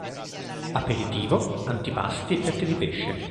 Aperitivo, antipasti e piatti di pesce.